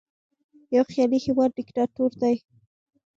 یوه خیالي هیواد دیکتاتور دی.